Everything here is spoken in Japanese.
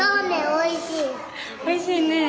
・おいしいねえ。